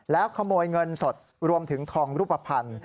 แล้วขโมยเงินสดรวมถึงทองรูปภัณฑ์